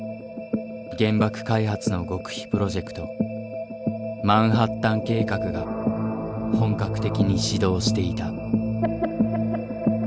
原爆開発の極秘プロジェクトマンハッタン計画が本格的に始動していた。